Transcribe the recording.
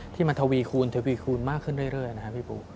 ที่มันทวีคูณทวีคูณมากขึ้นเรื่อยนะครับพี่ปุ๊